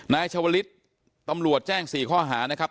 นายชาวลิศตำรวจแจ้ง๔ข้อหานะครับ